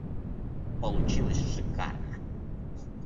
Получилось шикарно.